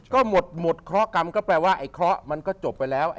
ก็หมดเคราะหกรรมก็แปลว่าไอ้เคราะห์มันก็จบไปแล้ว